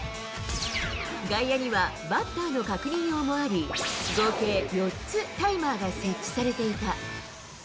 外野にはバッターの確認用もあり、合計４つタイマーが設置されていた。